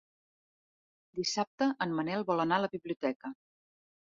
Dissabte en Manel vol anar a la biblioteca.